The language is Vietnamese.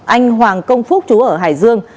anh hoàng công phúc trú ở hải dương